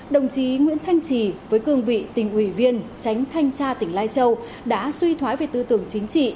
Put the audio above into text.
đồng chí nguyễn thanh trì với cương vị tỉnh ủy viên tránh thanh tra tỉnh lai châu đã suy thoái về tư tưởng chính trị